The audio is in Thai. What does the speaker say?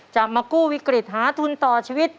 จะมากู้วิกฤตหาทุนต่อชีวิต